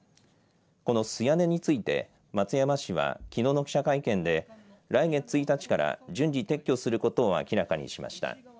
この素屋根について松山市はきのうの記者会見で来月１日から順次撤去することを明らかにしました。